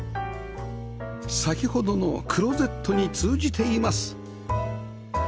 先ほどのクローゼットに通じています